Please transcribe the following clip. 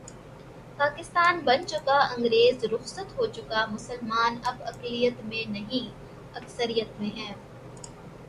پاکستان بن چکا انگریز رخصت ہو چکا مسلمان اب اقلیت میں نہیں، اکثریت میں ہیں۔